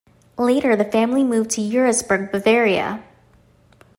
Later the family moved to Eurasburg, Bavaria.